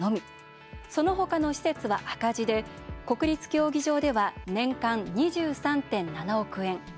そのほかの施設は赤字で国立競技場では年間２３．７億円。